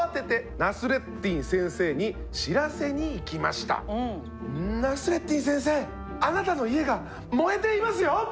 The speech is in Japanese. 「ナスレッディン先生あなたの家が燃えていますよ！」。